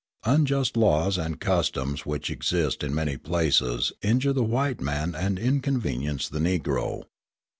Unjust laws and customs which exist in many places injure the white man and inconvenience the Negro.